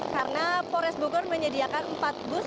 karena polres bogor menyediakan empat bus